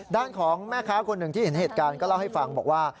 ด้านของแม่ค้าคนหนึ่งที่เห็นเหตุการณ์ก็เล่าให้ฟังบอกว่า